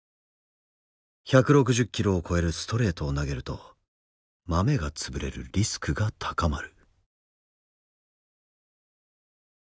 １６０キロを超えるストレートを投げるとまめが潰れるリスクが高まる。